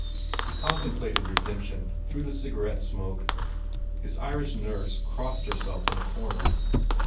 He contem plated redemption through the cigarette smoke. His Irish nurse crossed herself in a corner.